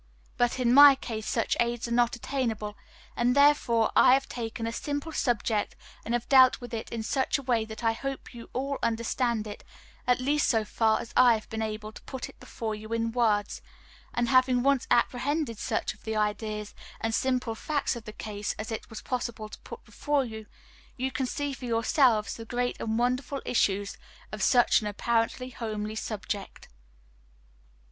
But in my case such aids are not attainable, and therefore I have taken a simple subject and have dealt with it in such a way that I hope you all understand it, at least so far as I have been able to put it before you in words; and having once apprehended such of the ideas and simple facts of the case as it was possible to put before you, you can see for yourselves the great and wonderful issues of such an apparently homely subject.